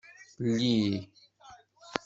Lli.